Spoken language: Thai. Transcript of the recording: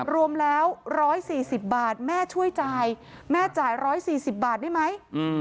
รวมแล้ว๑๔๐บาทแม่ช่วยจ่ายแม่จ่าย๑๔๐บาทได้ไหม